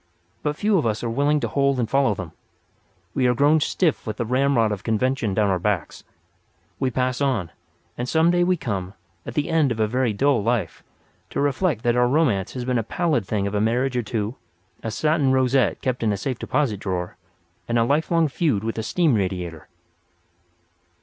But few of us are willing to hold and follow them. We are grown stiff with the ramrod of convention down our backs. We pass on; and some day we come, at the end of a very dull life, to reflect that our romance has been a pallid thing of a marriage or two, a satin rosette kept in a safe deposit drawer, and a lifelong feud with a steam radiator.